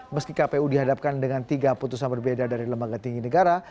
meski kpu dihadapkan dengan tiga putusan berbeda dari lembaga tinggi negara